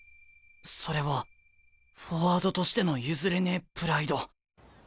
それはフォワードとしての譲れねえプライド。